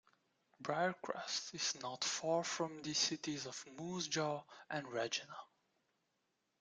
Briercrest is not far from the cities of Moose Jaw and Regina.